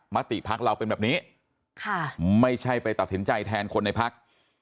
มติพักเราเป็นแบบนี้ไม่ใช่ไปตัดสินใจแทนคนในพัก